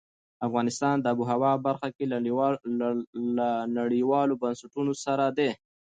افغانستان د آب وهوا برخه کې له نړیوالو بنسټونو سره دی.